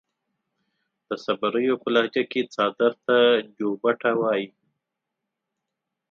د صبريو پۀ لهجه کې څادر ته جوبټه وايي.